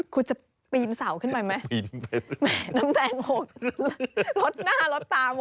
คุณจะปีนเสาขึ้นไปไหมแหมน้ำแดงหกลดหน้าลดตาหมด